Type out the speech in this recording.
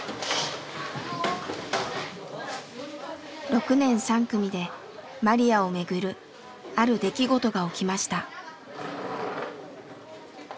６年３組でマリヤを巡るある出来事が起きました。